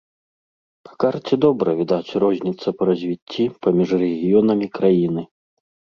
Па карце добра відаць розніца па развіцці паміж рэгіёнамі краіны.